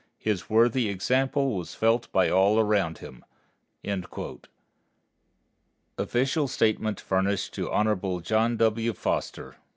His worthy example was felt by all around him." Official statement furnished to Hon. John W.